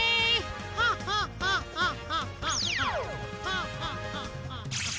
ハッハッハッハッ。